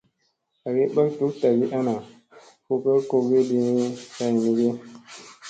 Agi ɓak duk tagi ana, fu ka kogi ɗini kay mi ge.